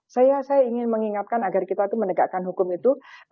saya ingin mengingatkan agar kita itu menegakkan hukum itu